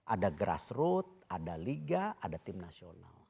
ada grassroot ada liga ada tim nasional